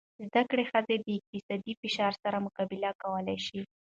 زده کړه ښځه د اقتصادي فشار سره مقابله کولی شي.